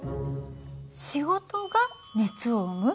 仕事が熱を生む？